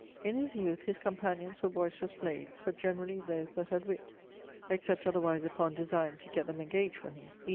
_> In his youth his companions were boysterous blades, but generally those that had witt; except otherwise uppon designe to gett them engaged for him, e.